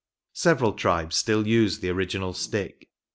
Several tribes still use the original stick.